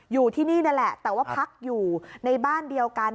อยู่ที่นี่นั่นแหละแต่ว่าพักอยู่ในบ้านเดียวกัน